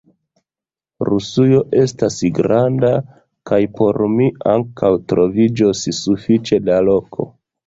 Rusujo estas granda, kaj por mi ankaŭ troviĝos sufiĉe da loko!